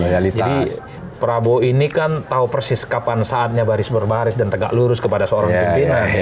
jadi prabowo ini kan tahu persis kapan saatnya baris berbaris dan tegak lurus kepada seorang pimpinan